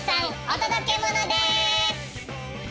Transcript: お届けモノです